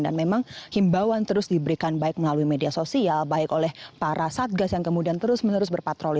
dan memang himbawan terus diberikan baik melalui media sosial baik oleh para satgas yang kemudian terus menerus berpatroli